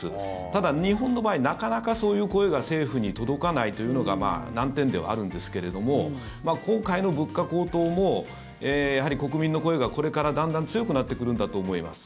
ただ、日本の場合なかなかそういう声が政府に届かないというのが難点ではあるんですけれども今回の物価高騰もやはり、国民の声がこれからだんだん強くなってくるんだと思います。